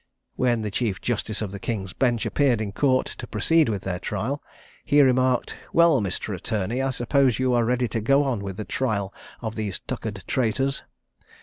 When the chief justice of the King's Bench appeared in court to proceed with their trial, he remarked, "Well, Mr. Attorney, I suppose you are ready to go on with the trial of these tuckered traitors?"